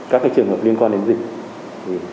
các trường hợp liên quan đến dịch